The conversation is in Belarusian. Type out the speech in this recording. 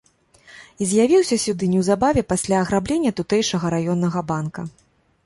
І з'явіўся сюды неўзабаве пасля аграблення тутэйшага раённага банка.